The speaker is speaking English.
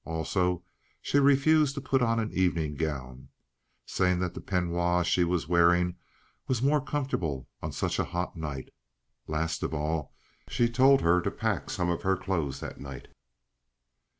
Also, she refused to put on an evening gown, saying that the peignoir she was wearing was more comfortable on such a hot night. Last of all, she told her to pack some of her clothes that night.